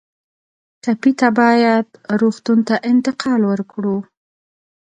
ټپي ته باید روغتون ته انتقال ورکړو.